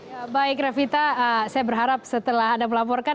ya baik revita saya berharap setelah anda melaporkan